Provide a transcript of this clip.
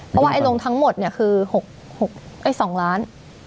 เพราะว่าไอ้ลงทั้งหมดเนี่ยคือ๒ล้าน